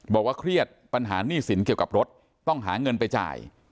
เครียดปัญหาหนี้สินเกี่ยวกับรถต้องหาเงินไปจ่าย